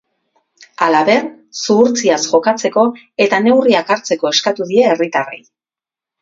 Halaber, zuhurtziaz jokatzeko eta neurriak hartzeko eskatu die herritarrei.